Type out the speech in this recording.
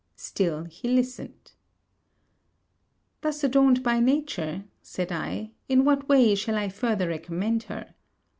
Still he listened. 'Thus adorned by nature,' said I, 'in what way shall I further recommend her?